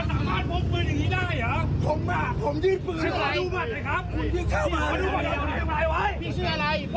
ตำรวจจริงต่อยมอเตอร์ไซค์